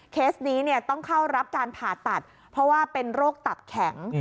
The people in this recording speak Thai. เคสนี้ต้องเข้ารับการผ่าตัดเพราะว่าเป็นโรคตับแข็ง